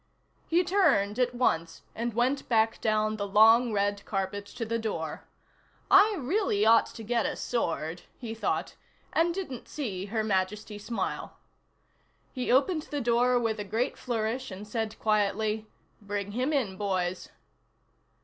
He turned at once and went back down the long red carpet to the door. I really ought to get a sword, he thought, and didn't see Her Majesty smile. He opened the door with a great flourish and said quietly: "Bring him in, boys."